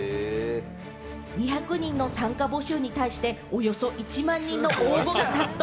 ２００人の参加募集に対しておよそ１万人の応募が殺到。